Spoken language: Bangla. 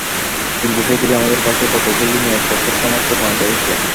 কিন্তু সেগুলি আমাদের কাছে কতকগুলি নিরর্থক শব্দমাত্রে পরিণত হইয়াছে।